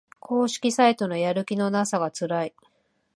公式サイトのやる気のなさがつらい